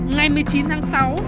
ngày một mươi chín tháng sáu